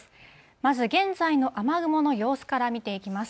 まず現在の雨雲の様子から見ていきます。